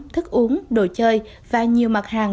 thức uống đồ chơi và nhiều mặt hàng